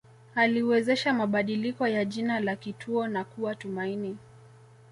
Aliwezesha mabadiliko ya jina la kituo na kuwa Tumaini